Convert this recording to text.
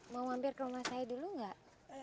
mau mampir ke rumah saya dulu nggak